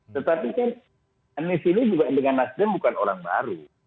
tetapi kan anies ini juga dengan nasdem bukan orang baru